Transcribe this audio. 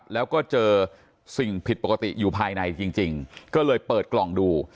แล้วก็เจอสิ่งผิดปกติอยู่ภายในจริงก็เลยเปิดกล่องดู